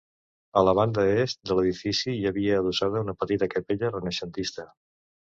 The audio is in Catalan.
A la banda est de l’edifici hi havia adossada una petita capella renaixentista.